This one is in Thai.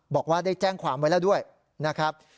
บอกว่าได้แจ้งความไว้แล้วด้วยนะครับ